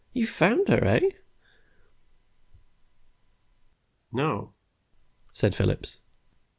"You found her, eh?" "No," said Phillips.